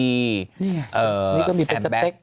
นี่ไงนี่ก็มีเป็นสเต็ก